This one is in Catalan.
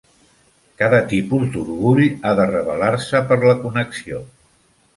Cada tipus d'orgull ha de rebel·lar-se per la connexió.